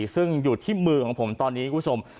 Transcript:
ซึ่งอยู่ที่มือของผมตอนนี้คุณผู้ชม